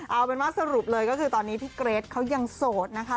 เอาเป็นว่าสรุปเลยก็คือตอนนี้พี่เกรทเขายังโสดนะคะ